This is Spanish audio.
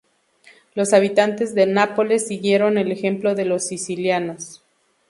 Los habitantes de Nápoles siguieron el ejemplo de los sicilianos.